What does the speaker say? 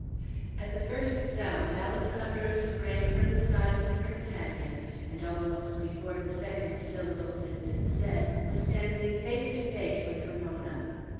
At the first sound, Alessandro sprang from the side of his companion, and almost before the second syllables had been said, was standing face to face with Ramona.